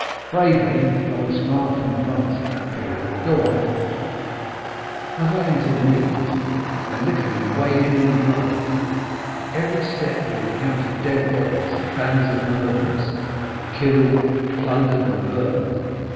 "Vaguely; I was far from France at that period. Go on." "As I entered Nîmes, I literally waded in blood; at every step you encountered dead bodies and bands of murderers, who killed, plundered, and burned.